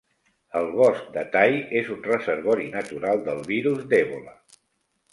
El bosc de Tai és un reservori natural del virus d'Ebola.